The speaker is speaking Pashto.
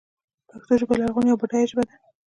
پښتو ژبه لرغونۍ او بډایه ژبه ده.